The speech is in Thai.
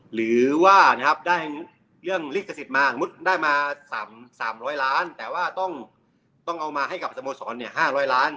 หรือว่าได้เรื่องลิขสิทธิ์มาสมมุติได้มา๓๐๐ล้านแต่ว่าต้องเอามาให้กับสโมสร๕๐๐ล้าน